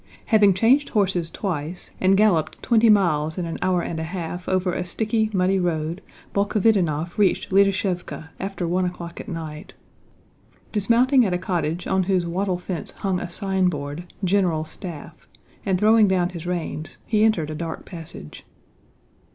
Having changed horses twice and galloped twenty miles in an hour and a half over a sticky, muddy road, Bolkhovítinov reached Litashëvka after one o'clock at night. Dismounting at a cottage on whose wattle fence hung a signboard, GENERAL STAFF, and throwing down his reins, he entered a dark passage.